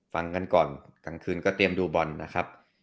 ฟังกันก่อนกลางคืนก็เตรียมดูบอลนะครับ